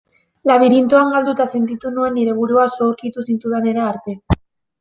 Labirintoan galduta sentitu nuen nire burua zu aurkitu zintudanera arte.